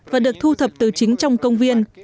và được thu thập từ chính trong công viên